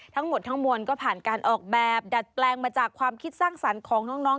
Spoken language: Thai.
ทั้งหมดทั้งมวลก็ผ่านการออกแบบดัดแปลงมาจากความคิดสร้างสรรค์ของน้อง